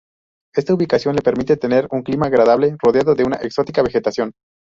Esta ubicación le permite tener un clima agradable, rodeado de una exótica vegetación.